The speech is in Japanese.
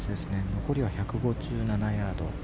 残りは１５７ヤード。